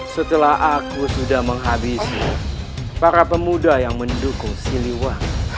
setelah aku sudah menghabisi para pemuda yang mendukung siliwah